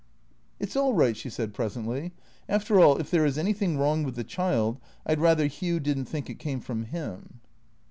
" It 's all right," she said presently. " After all, if there is anything wrong with the child, I 'd rather Hugh did n't think it came from him."